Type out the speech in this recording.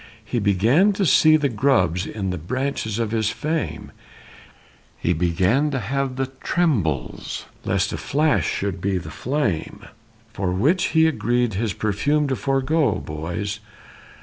He began to see the grubs, in the branches of his fame, He began to have the trembles, lest a flash should be the flame For which he had agreed his perfume to forego, boys!